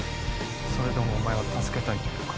それでもお前は助けたいというのか？